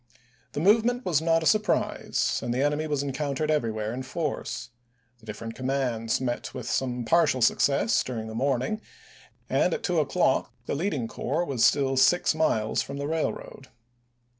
The movement was not a surprise and the enemy was encountered everywhere in force. The different commands met with some partial success during the morning, and at two o'clock the leading corps was still six miles from the railroad.